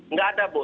nggak ada bu